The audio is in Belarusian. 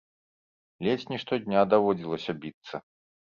Ледзь не штодня даводзілася біцца.